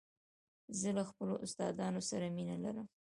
زه له خپلو استادانو سره مینه لرم.